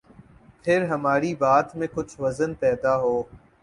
پھر ہماری بات میں کچھ وزن پیدا ہو۔